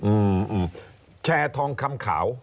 อืมแชร์ทองคำขาว